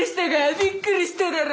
びっくりしただろ！